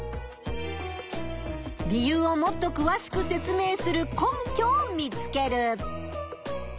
理由をもっとくわしく説明する根拠を見つける。